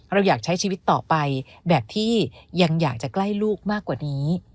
เราอยากใช้ชีวิตต่อไปแบบที่ยังอยากจะใกล้ลูกมากกว่านี้